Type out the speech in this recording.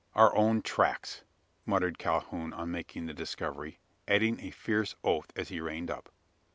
"Our own tracks!" muttered Calhoun on making the discovery, adding a fierce oath as he reined up.